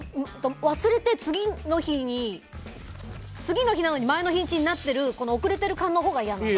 忘れて、次の日なのに前の日にちになってるこの遅れてる感のほうが嫌なの。